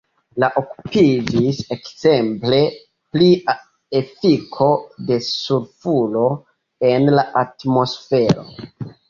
Li okupiĝis ekzemple pri efiko de sulfuro en la atmosfero.